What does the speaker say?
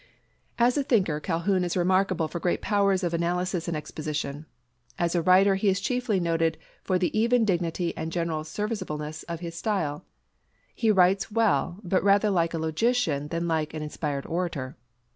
As a thinker Calhoun is remarkable for great powers of analysis and exposition. As a writer he is chiefly noted for the even dignity and general serviceableness of his style. He writes well, but rather like a logician than like an inspired orator.